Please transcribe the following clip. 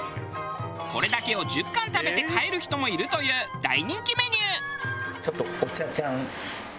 これだけを１０貫食べて帰る人もいるという大人気メニュー。